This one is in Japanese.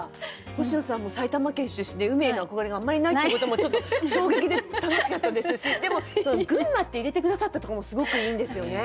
星野さんも埼玉県出身で海への憧れがあんまりないってこともちょっと衝撃で楽しかったですしでも「群馬」って入れて下さったとこもすごくいいんですよね。